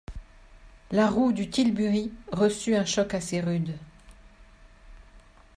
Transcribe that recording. La roue du tilbury reçut un choc assez rude.